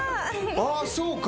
あっそうか